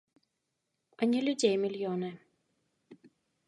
А не людзей мільёны.